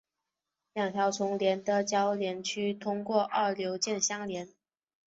两条重链在铰链区通过二硫键相连。